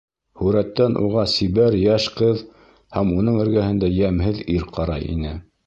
Һүрәттән уға сибәр йәш ҡыҙ һәм уның эргәһендә йәмһеҙ ир ҡарай ине.